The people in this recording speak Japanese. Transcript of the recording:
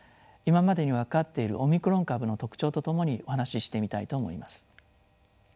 今までに分かっているオミクロン株の特徴とともにお話ししてみたいと思います。